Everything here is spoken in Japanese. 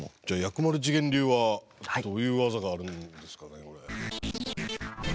じゃあ薬丸自顕流はどういう技があるんですかね？